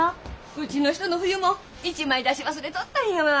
うちの人の冬もん１枚出し忘れとったんやわあ。